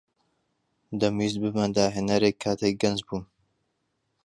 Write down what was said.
دەمویست ببمە داھێنەرێک کاتێک گەنج بووم.